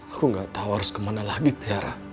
aku gak tau harus kemana lagi tiara